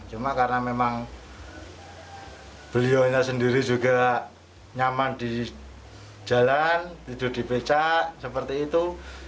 cuma karena memang beliaunya sendiri juga nyaman di jalan tidur di becak seperti itu